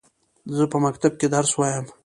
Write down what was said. زه په مکتب کښي درس وايم.